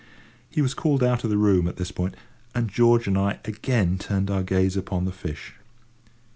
He was called out of the room at this point, and George and I again turned our gaze upon the fish.